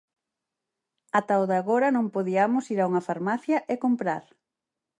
Ata o de agora non podiamos ir a unha farmacia e comprar.